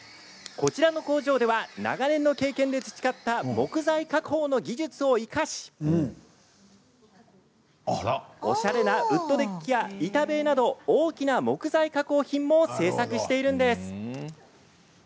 こちらの工場では長年の経験で培った木材加工の技術を生かしおしゃれなウッドデッキや板塀など大きな木材加工品を製作しているんです。